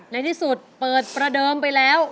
ในที่สุดเปิดประเดิมไปแล้ว